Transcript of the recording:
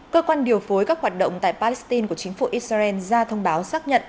cơ quan điều phối các hoạt động tại palestine của chính phủ israel ra thông báo xác nhận